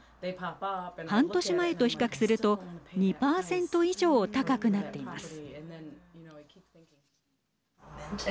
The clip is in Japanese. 半年前と比較すると２％以上、高くなっています。